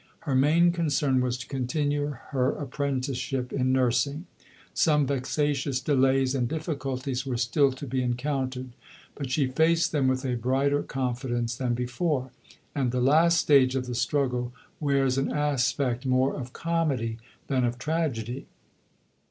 Her main concern was to continue her apprenticeship in nursing. Some vexatious delays and difficulties were still to be encountered, but she faced them with a brighter confidence than before, and the last stage of the struggle wears an aspect more of comedy than of tragedy.